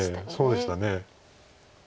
そうでしたね。